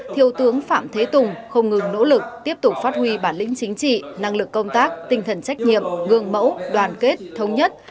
thiếu tướng phạm thế tùng không ngừng nỗ lực tiếp tục phát huy bản lĩnh chính trị năng lực công tác tinh thần trách nhiệm gương mẫu đoàn kết thống nhất